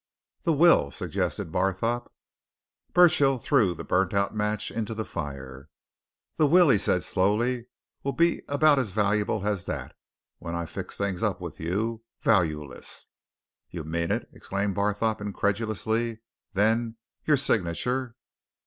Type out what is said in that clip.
"The will?" suggested Barthorpe. Burchill threw the burnt out match into the fire. "The will," he said slowly, "will be about as valuable as that when I've fixed things up with you. Valueless!" "You mean it?" exclaimed Barthorpe incredulously. "Then your signature?"